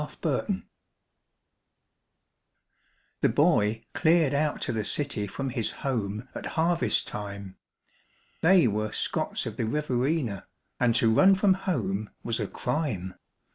9 Autoplay The boy cleared out to the city from his home at harvest time They were Scots of the Riverina, and to run from home was a crime.